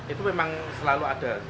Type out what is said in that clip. itu memang selalu ada